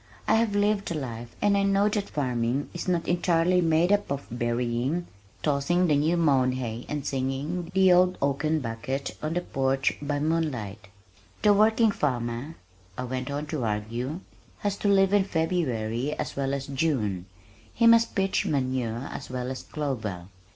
I have lived the life and I know that farming is not entirely made up of berrying, tossing the new mown hay and singing The Old Oaken Bucket on the porch by moonlight. "The working farmer," I went on to argue, "has to live in February as well as June. He must pitch manure as well as clover.